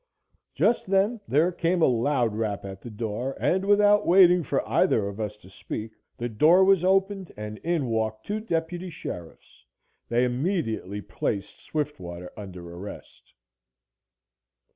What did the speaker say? Just then there came a loud rap at the door, and without waiting for either of us to speak the door was opened and in walked two deputy sheriffs. They immediately placed Swiftwater under arrest.